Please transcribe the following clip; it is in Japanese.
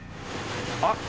あっ！